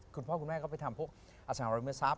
คุณพ่อคุณแม่ก็ไปทำพวกอสนามรายเมืองทรัพย์